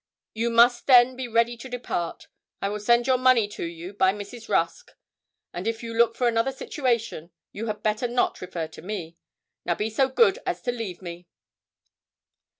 You must then be ready to depart. I will send your money to you by Mrs. Rusk; and if you look for another situation, you had better not refer to me. Now be so good as to leave me.'